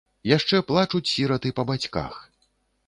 Яшчэ плачуць сіраты па бацьках.